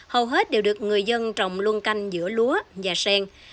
hầu hết đều được người dân trồng luân canh giữa lúa và sen